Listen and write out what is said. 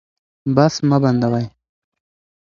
بحث مه بندوئ.